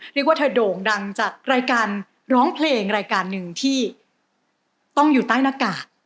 เรียกว่าเธอโด่งดังจากรายการร้องเพลงรายการหนึ่งที่ต้องอยู่ใต้หน้ากาก